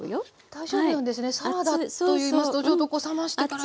大丈夫なんですねサラダといいますとちょっとこう冷ましてからじゃないと。